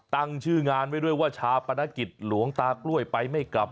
ตั้งชื่องานไว้ด้วยว่าชาปนกิจหลวงตากล้วยไปไม่กลับ